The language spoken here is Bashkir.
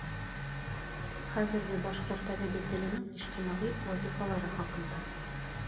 Хәҙерге башҡорт әҙәби теленең ижтимағи вазифалары хаҡында